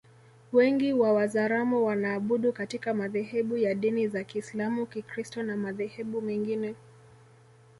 Wengi wa Wazaramo wanaabudu katika madhehebu ya dini za Kiisalamu Kikristo na madhehebu mengine